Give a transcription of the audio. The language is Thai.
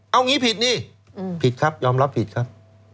เอางี้ผิดนี่ผิดครับยอมรับผิดครับ